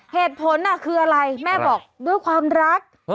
เหตุผลคืออะไรแม่บอกด้วยความรัก